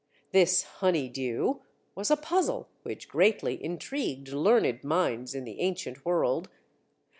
This "honey dew" was a puzzle which greatly intrigued learned minds in the ancient world.